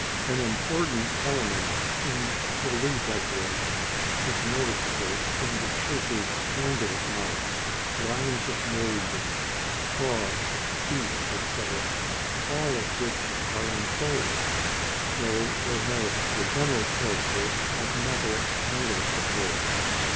An important element in Boule decoration is noticeable in the chiselled angle mounts, lines of moulding, claws, feet, etc., all of which are imposed, though they have the general character of metal angle supports.